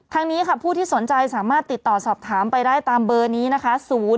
ทางนี้ค่ะผู้ที่สนใจสามารถติดต่อสอบถามไปได้ตามเบอร์นี้นะคะ